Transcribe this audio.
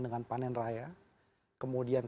dengan panen raya kemudian